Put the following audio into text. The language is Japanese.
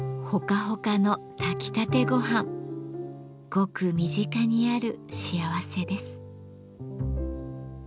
ごく身近にある幸せです。